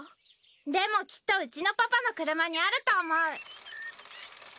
でもきっとうちのパパの車にあると思う。